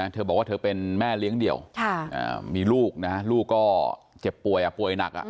เธอบอกว่าเธอเป็นแม่เลี้ยงเดี่ยวมีลูกนะลูกก็เจ็บป่วยป่วยหนัก